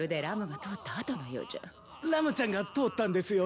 ラムちゃんが通ったんですよ。